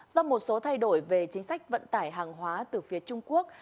do một số thay đổi về chính sách vận tải hàng hóa từ phía trung quốc